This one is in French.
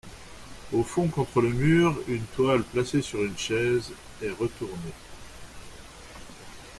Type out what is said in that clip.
Au fond contre le mur, une toile placée sur une chaise et retournée.